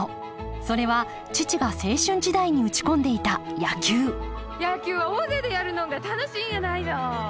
それは父が青春時代に打ち込んでいた野球野球は大勢でやるのんが楽しいんやないの。